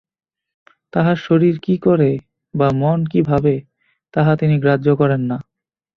তাঁহার শরীর কি করে বা মন কি ভাবে, তাহা তিনি গ্রাহ্য করেন না।